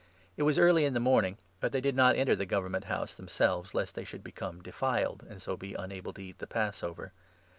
It was early in the morning. But Governor, they did not enter the Government House them selves, lest they should become 'defiled,' and so be unable to eat the Passover.